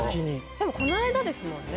でもこないだですもんね。